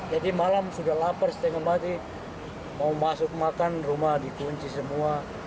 jadi malam sudah lapar setengah mati mau masuk makan rumah dikunci semua